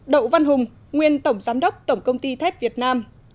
đậu văn hùng nguyên tổng giám đốc tổng công ty thép việt nam